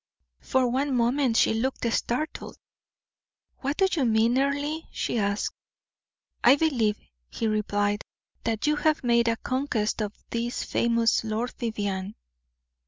For one moment she looked startled. "What do you mean, Earle?" she asked. "I believe," he replied, "that you have made a conquest of this famous Lord Vivianne."